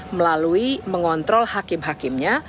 melalui mengontrol hakim hakimnya